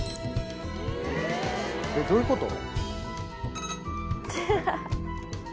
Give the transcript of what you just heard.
えっどういうこと？